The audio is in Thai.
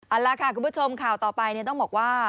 เอาล่ะค่ะคุณผู้ชมข่าวต่อไปต้องบอกว่า